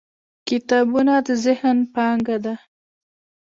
• کتابونه د ذهن پانګه ده.